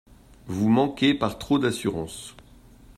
Vous manquez par trop d'assurance.